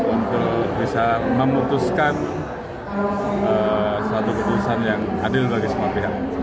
untuk bisa memutuskan suatu keputusan yang adil bagi semua pihak